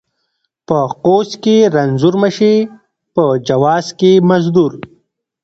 ـ په قوس کې رنځور مشې، په جواز کې مزدور.